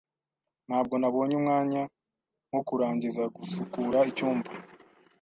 Ntabwo nabonye umwanya wo kurangiza gusukura icyumba.